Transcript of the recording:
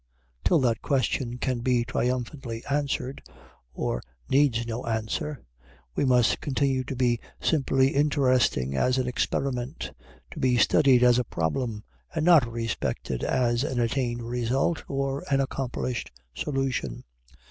Till that question can be triumphantly answered, or needs no answer, we must continue to be simply interesting as an experiment, to be studied as a problem, and not respected as an attained result or an accomplished solution.